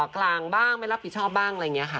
กลางบ้างไม่รับผิดชอบบ้างอะไรอย่างนี้ค่ะ